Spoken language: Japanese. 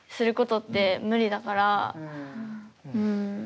うん。